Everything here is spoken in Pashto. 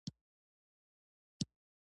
د دوی سیاسي انحصار غوښتل دښمني جوړوي.